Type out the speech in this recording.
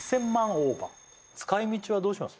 オーバー使い道はどうします？